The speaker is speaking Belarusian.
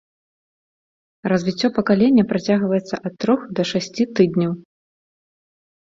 Развіццё пакалення працягваецца ад трох да шасці тыдняў.